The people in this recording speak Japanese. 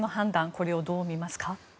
これをどう見ますか？